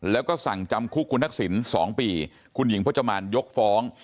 แล้วก็สั่งจำคุกคุณทักษิณ๒ปีคุณหญิงพจมานยกฟ้อง